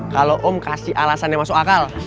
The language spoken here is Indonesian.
kalau om kasih alasan yang masuk akal